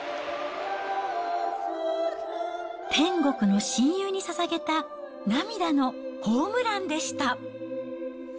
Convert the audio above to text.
天国の親友にささげた涙のホームランでした。